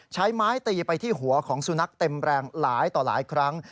ใช้ไม้ตีไปที่หัวของสุนัขเต็มแรงหลายต่อหลายครั้ง